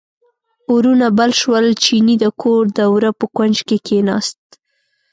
اورونه بل شول، چیني د کور د وره په کونج کې کیناست.